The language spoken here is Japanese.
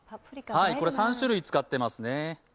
３種類使っていますね。